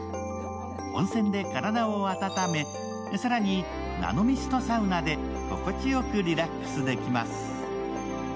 温泉で体を温め、更にナノミストサウナで心地よくリラックスできます。